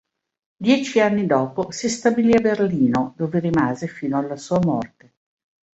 Dieci anni dopo si stabilì a Berlino, dove rimase fino alla sua morte.